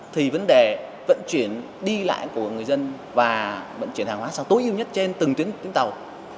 thì vấn đề vận chuyển đi lại của người dân và vận chuyển hàng hóa sao tối ưu nhất trên từng tuyến tàu